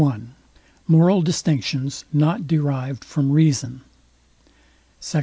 I MORAL DISTINCTIONS NOT DERIVED FROM REASON SECT.